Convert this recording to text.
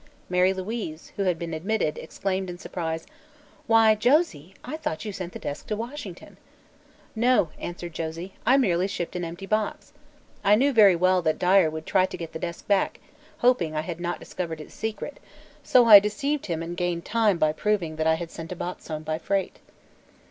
Mary Louise, who had been admitted, exclaimed in surprise: "Why, Josie! I thought you sent the desk to Washington." "No," answered Josie, "I merely shipped an empty box. I knew very well that Dyer would try to get back the desk, hoping I had not discovered its secret, so I deceived him and gained time by proving that I had sent a box home by freight."